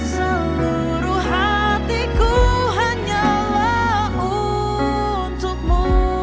seluruh hatiku hanyalah untukmu